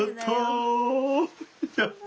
やった！